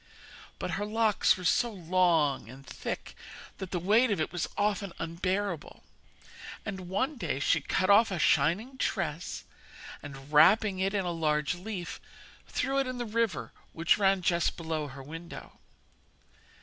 But her locks were so long and thick that the weight of it was often unbearable, and one day she cut off a shining tress, and wrapping it in a large leaf, threw it in the river which ran just below her window.